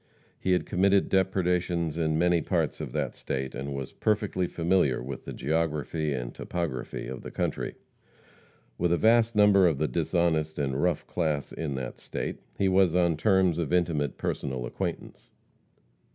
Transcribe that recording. He had committed depredations in many parts of that state, and was perfectly familiar with the geography and topography of the country. With a vast number of the dishonest and rough class in that state, he was on terms of intimate personal acquaintance.